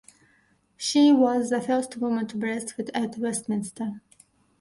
She was the first woman to breastfeed at Westminster.